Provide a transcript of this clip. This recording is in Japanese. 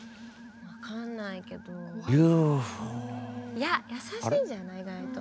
いや優しいんじゃない意外と。